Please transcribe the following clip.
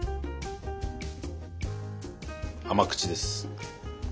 甘口です。